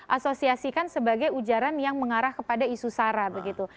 asosiasikan sebagai ujaran yang mengarah kepada isu sara begitu